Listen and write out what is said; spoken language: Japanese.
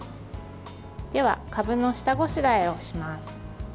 では、かぶの下ごしらえをします。